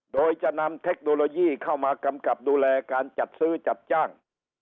โดยจะนำเทคโนโลยีเข้ามากำกับดูแลการจัดซื้อจัดจ้าง